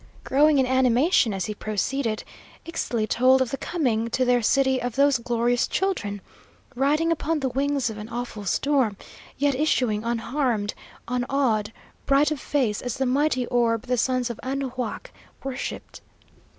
Growing in animation as he proceeded, Ixtli told of the coming to their city of those glorious children; riding upon the wings of an awful storm, yet issuing unharmed, unawed, bright of face, as the mighty orb the sons of Anahuac worshipped.